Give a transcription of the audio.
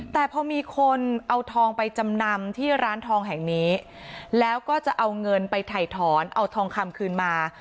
แต่พอมีคนเอาทองไปจำนำที่ร้านทองแห่งนี้แล้วก็จะเอาเงินไปถ่ายถอนเอาทองคำคืนมา